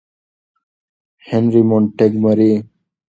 - هنري مونټګومري :